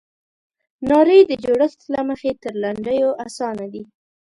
نارې د جوړښت له مخې تر لنډیو اسانه دي.